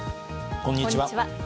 こんにちは。